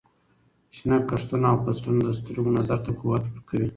شنه کښتونه او فصلونه د سترګو نظر ته قوت ورکوي.